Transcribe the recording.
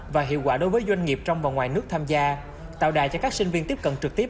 và hiệu quả đối với doanh nghiệp trong và ngoài nước tham gia tạo đài cho các sinh viên tiếp cận trực tiếp